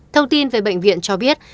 thông tin về bệnh viện cho biết